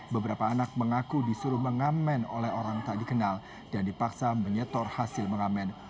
beberapa anak mengaku disuruh mengamen oleh orang tak dikenal dan dipaksa menyetor hasil mengamen